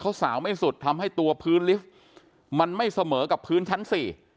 เขาสาวไม่สุดทำให้ตัวพื้นลิฟต์มันไม่เสมอกับพื้นชั้น๔